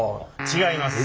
違います。